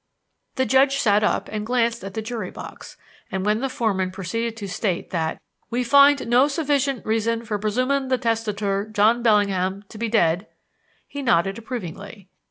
The judge sat up and glanced at the jury box, and when the foreman proceeded to state that "We find no sufficient reason for presuming the testator, John Bellingham, to be dead," he nodded approvingly.